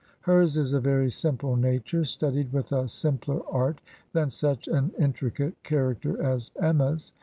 Hers is a very simple nature, studied with a simpler art than such an intricate charac ter as Emma's.